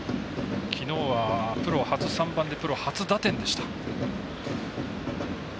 きのうは、プロ初３番でプロ初打点でした。